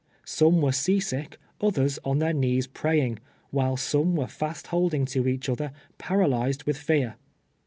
Sonic were sea sick, others on their knees praying, while sonic were fast liolding to each other, paralyzed with fear.